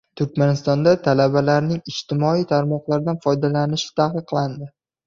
Turkmanistonda talabalarning ijtimoiy tarmoqlardan foydalanishi taqiqlandi